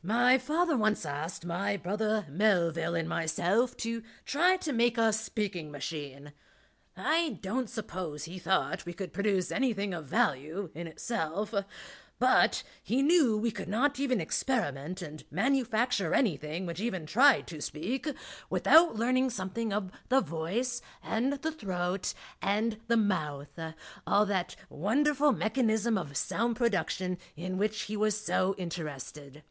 My father once asked my brother Melville and myself to try to make a speaking machine, I don't suppose he thought we could produce anything of value, in itself. But he knew we could not even experiment and manufacture anything which even tried to speak, without learning something of the voice and the throat; and the mouth all that wonderful mechanism of sound production in which he was so interested.